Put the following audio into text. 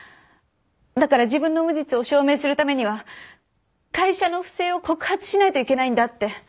だから自分の無実を証明するためには会社の不正を告発しないといけないんだって。